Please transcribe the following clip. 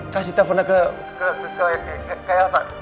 kasih teleponnya ke elsa